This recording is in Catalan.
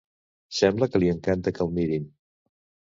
Sembla que li encanta que el mirin.